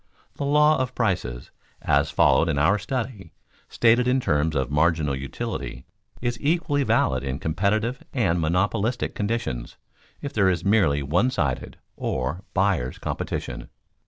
The law of prices, as followed in our study, stated in terms of marginal utility, is equally valid in competitive and in monopolistic conditions if there is merely one sided, or buyers', competition.